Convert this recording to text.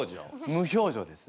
無表情です。